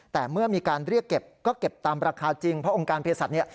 แต่เมื่อมีการเรียกเก็บก็เก็บตามราคาจริงเพราะองค์การเพศสัตว์เนี่ย